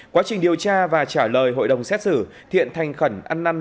quá trình điều tra và trả lời hội đồng xét xử thiện thành khẩn ăn năn